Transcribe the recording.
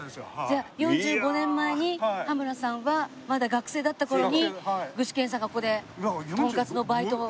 じゃあ４５年前に羽村さんはまだ学生だった頃に具志堅さんがここでとんかつのバイトをしてる時に。